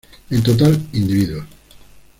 En total, individuos.